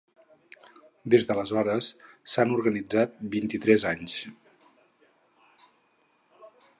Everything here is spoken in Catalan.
Des d’aleshores, s’han organitzat vint-i-tres anys.